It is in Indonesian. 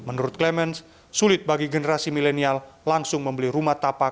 menurut clemens sulit bagi generasi milenial langsung membeli rumah tapak